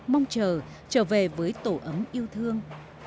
mong chờ trở về với tổ ấm yêu thương